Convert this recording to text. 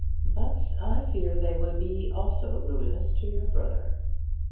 But I fear they would be also ruinous to your brother.